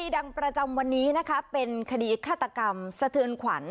ดังประจำวันนี้นะคะเป็นคดีฆาตกรรมสะเทือนขวัญ